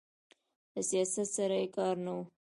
له سیاست سره یې کار نه و.